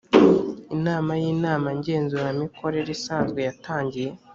inama y inama ngenzuramikorere isanzwe yatangiye.